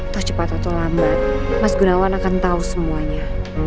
tau cepat atau lama mas gunawan akan tau semuanya